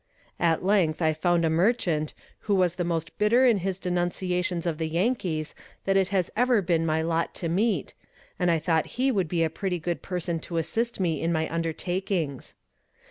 At length I found a merchant who was the most bitter in his denunciations of the Yankees that it has ever been my lot to meet, and I thought he would be a pretty good person to assist me in my undertakings.